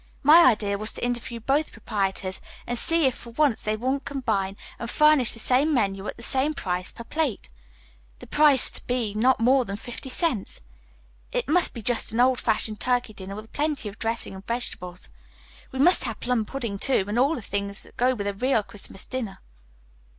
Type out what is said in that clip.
My idea was to interview both proprietors and see if for once they wouldn't combine and furnish the same menu at the same price per plate, the price to be not more than fifty cents. It must be just an old fashioned turkey dinner with plenty of dressing and vegetables. We must have plum pudding, too, and all the things that go with a real Christmas dinner."